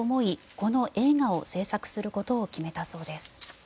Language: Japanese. この映画を制作することを決めたそうです。